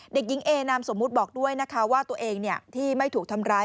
เด็กหญิงเอนามสมมุติบอกด้วยนะคะว่าตัวเองที่ไม่ถูกทำร้าย